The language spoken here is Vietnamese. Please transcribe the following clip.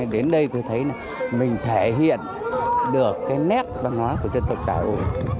đến đây tôi thấy mình thể hiện được cái nét văn hóa của dân tộc tàu ôi